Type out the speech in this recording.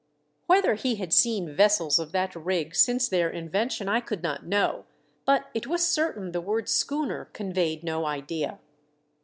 Whether he had seen vessels of that rig Bince their invention I could not know, but it was certain the word schooner conveyed no idea.